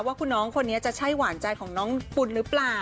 ว่าคุณน้องคนนี้จะใช่หวานใจของน้องปุ่นหรือเปล่า